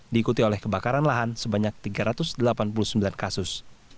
diikuti oleh kebakaran lahan sebanyak tiga ratus delapan puluh sembilan kasus